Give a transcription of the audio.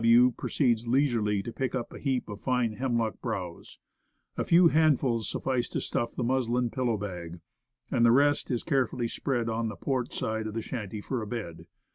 W. proceeds leisurely to pick a heap of fine hemlock browse. A few handfuls suf fice to stuff the muslin pillow bag, and the rest is care fully spread on the port side of the shanty for a bed.